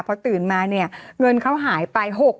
พอตื่นมาเนี่ยเงินเขาหายไป